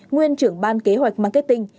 nguyên trưởng ban kế hoạch marketing